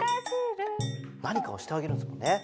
なにかをしてあげるんですよね。